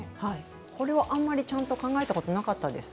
これはあまりちゃんと考えたことなかったです。